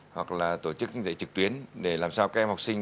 hoặc là tổ chức dạy trực tuyến để làm sao các em học sinh